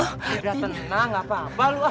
sudah tenang apa apaan lu